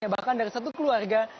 bahkan dari satu keluarga